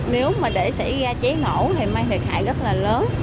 nếu mà để xảy ra cháy nổ thì mang thiệt hại rất là lớn